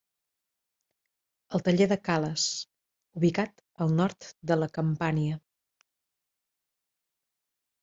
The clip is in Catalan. El taller de Cales, ubicat al nord de la Campània.